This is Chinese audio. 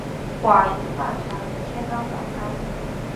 鲑鱼饭团明天当早餐